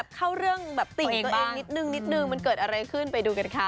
ของ้อผู้ชายผ่านสื่อได้ปะ